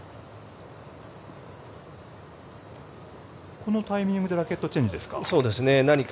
このタイミングでラケットチェンジですか。